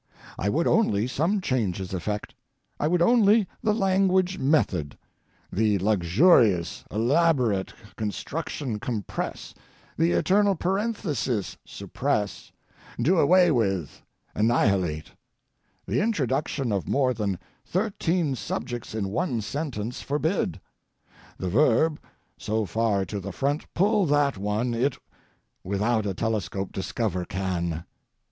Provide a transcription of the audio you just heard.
I would only some changes effect. I would only the language method—the luxurious, elaborate construction compress, the eternal parenthesis suppress, do away with, annihilate; the introduction of more than thirteen subjects in one sentence forbid; the verb so far to the front pull that one it without a telescope discover can.